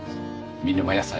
見沼野菜